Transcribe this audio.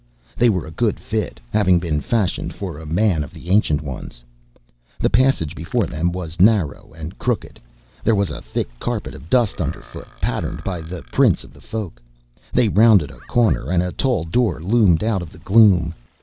They were a good fit, having been fashioned for a man of the Ancient Ones. The passage before them was narrow and crooked. There was a thick carpet of dust underfoot, patterned by the prints of the Folk. They rounded a corner and a tall door loomed out of the gloom.